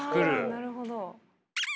あなるほど。